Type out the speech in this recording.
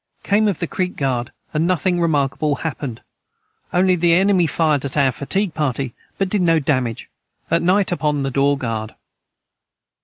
Came of the creek guard and nothing remarkable hapned onely they enemy fired at our fatigue party but did no damage at night upon the door guard.